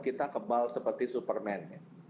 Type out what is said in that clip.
kita kebal seperti superman